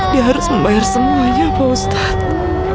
dia harus membayar semuanya pak ustadz